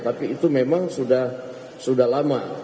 tapi itu memang sudah lama